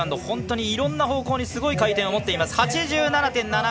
本当にいろんな方向に回転を持っています。